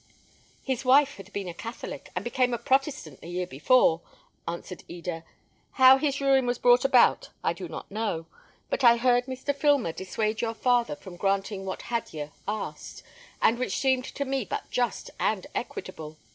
"His wife had been a Catholic, and became a Protestant the year before," answered Eda. "How his ruin was brought about, I do not know; but I heard Mr. Filmer dissuade your father from granting what Hadyer asked, and which seemed to me but just and equitable.